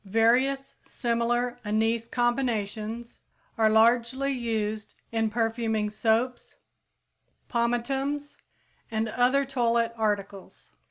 Various similar anise combinations are largely used in perfuming soaps, pomatums and other toilet articles.